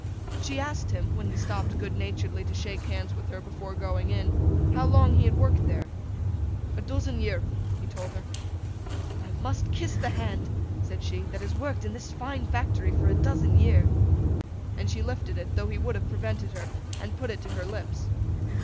She asked him, when he stopped good naturedly to shake hands with her before going in, how long he had worked there? 'A dozen year,' he told her. 'I must kiss the hand,' said she, 'that has worked in this fine factory for a dozen year!' And she lifted it, though he would have prevented her, and put it to her lips.